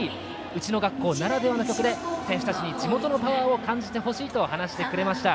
うちの学校ならではの曲で選手たちに地元のパワーを感じてほしいと話してくれました。